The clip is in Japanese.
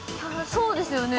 そうですよね。